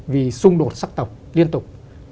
vì xung đột sắc tộc liên tục